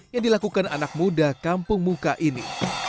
yang dilakukan anak muda kampung muka ini